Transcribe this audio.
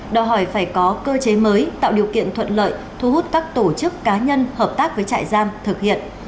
đòi hỏi phải có cơ chế mới tạo điều kiện thuận lợi thu hút các tổ chức cá nhân hợp tác với trại giam thực hiện